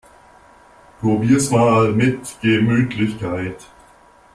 Probier's mal mit Gemütlichkeit!